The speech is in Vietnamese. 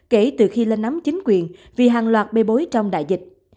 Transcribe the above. kể từ khi lên nắm chính quyền vì hàng loạt bê bối trong đại dịch